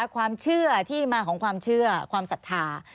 ความเชื่อที่มาของความเชื่อความศรัทธา